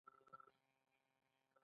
چرواکی رمه څاري.